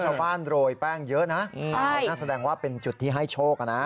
ชาวบ้านโรยแป้งเยอะน่ะใช่น่าแสดงว่าเป็นจุดที่ให้โชคอ่ะน่ะ